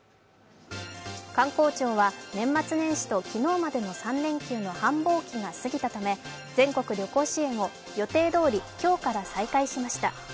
観光庁は年末年始と昨日までの３連休の繁忙期が過ぎたため全国旅行支援を予定どおり今日から再開しました。